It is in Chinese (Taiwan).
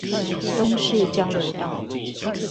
東勢交流道